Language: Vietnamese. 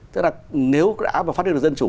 tức là nếu đã phát hiện được dân chủ